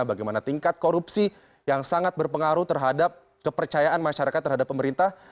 bagaimana tingkat korupsi yang sangat berpengaruh terhadap kepercayaan masyarakat terhadap pemerintah